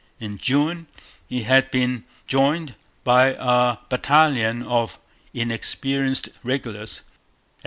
In June he had been joined by a battalion of inexperienced regulars.